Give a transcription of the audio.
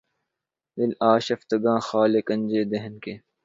دل آشفتگاں خالِ کنجِ دہن کے